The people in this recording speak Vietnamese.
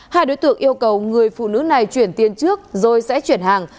hai đối tượng yêu cầu người phụ nữ này chuyển tiền trước rồi sẽ chuyển hàng